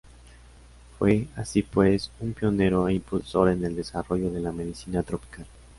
Fue, así pues, un pionero e impulsor en el desarrollo de la medicina tropical.